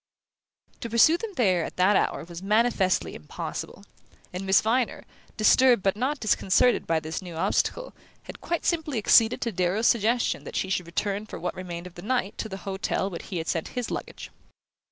To pursue them there at that hour was manifestly impossible, and Miss Viner, disturbed but not disconcerted by this new obstacle, had quite simply acceded to Darrow's suggestion that she should return for what remained of the night to the hotel where he had sent his luggage.